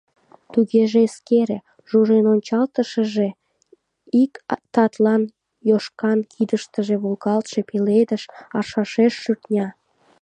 — Тугеже эскере, — Жужин ончалтышыже ик татлан Йошкан кидыштыже волгалтше пеледыш аршашеш шӱртня.